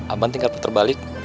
abang tinggal puter balik